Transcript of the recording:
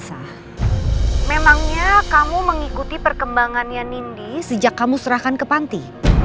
memangnya kamu mengikuti perkembangannya nindi sejak kamu serahkan ke panti